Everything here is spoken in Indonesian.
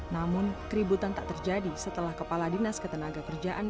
namun keributan tak terjadi setelah kepala dinas ketenaga kerjaan